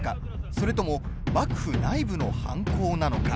それとも幕府内部の犯行なのか。